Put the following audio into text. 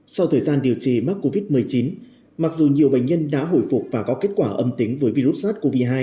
sau thời gian điều trị mắc covid một mươi chín mặc dù nhiều bệnh nhân đã hồi phục và có kết quả âm tính với virus sars cov hai